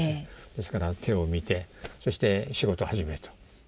ですから手を見てそして「仕事始め」と。